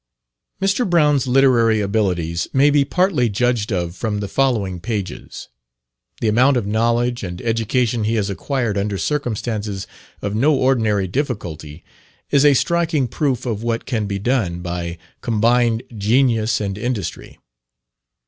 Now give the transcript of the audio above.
Mr. Brown's literary abilities may be partly judged of from the following pages. The amount of knowledge and education he has acquired under circumstances of no ordinary difficulty, is a striking proof of what can be done by combined genius and industry.